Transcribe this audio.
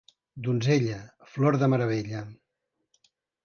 Donzella, flor de meravella.